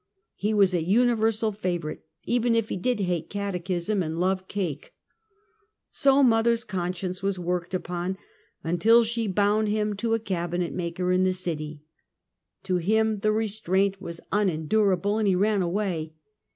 He was a uni versal favorite, even if he did hate catechism and love cake. So mother's conscience was worked upon until she 32 Half a Centuky. bound him to a cabinet maker in the city. To him, the restraint was unendurable, and he ran away.